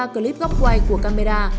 ba clip góc quay của camera